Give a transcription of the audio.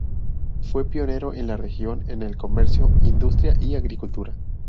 Fue pionero, en la región, en el comercio, industria y agricultura.